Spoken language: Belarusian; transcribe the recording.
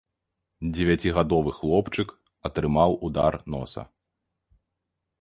Дзевяцігадовы хлопчык атрымаў удар носа.